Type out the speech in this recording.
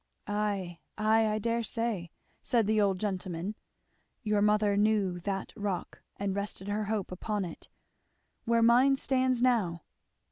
"Ay, ay, I dare say," said the old gentleman, "your mother knew that Rock and rested her hope upon it, where mine stands now.